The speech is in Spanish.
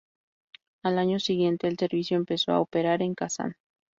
Al año siguiente el servicio empezó a operar en Kazán.